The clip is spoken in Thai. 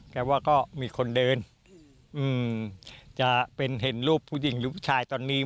ว่าก็มีคนเดินจะเป็นเห็นรูปผู้หญิงหรือผู้ชายตอนนี้